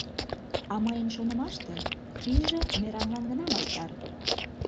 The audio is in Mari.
— А мыйын шонымаште, пийже мераҥлан гына мастар.